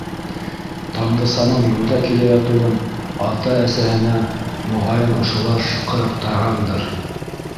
Таңдысаның юлда килә ятыуын ата-әсәһенә, моғайын, ошолар шыҡырыҡтағандыр.